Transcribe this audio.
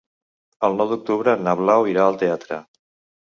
El nou d'octubre na Blau irà al teatre.